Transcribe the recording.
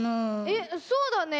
えっそうだね。